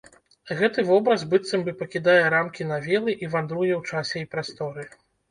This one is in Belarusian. Гэты вобраз быццам бы пакідае рамкі навелы і вандруе ў часе і прасторы.